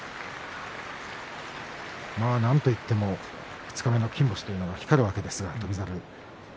なんといっても二日目の金星というのが光るわけですが、翔猿。